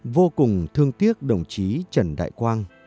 vô cùng thương tiếc đồng chí trần đại quang